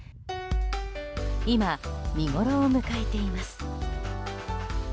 今、見ごろを迎えています。